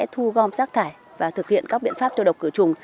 thu gom sát thải và thực hiện các biện pháp tiêu độc cửa chùng